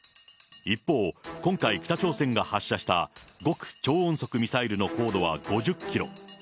一方、今回、北朝鮮が発射した極超音速ミサイルの高度は５０キロ。